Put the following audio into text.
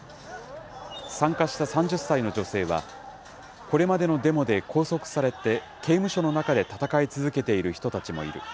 参加した３０歳の女性は、これまでのデモで拘束されて、刑務所の中で闘い続けている人たちもいる。